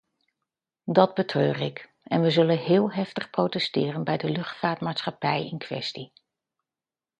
Dat betreur ik, en we zullen heel heftig protesteren bij de luchtvaartmaatschappij in kwestie.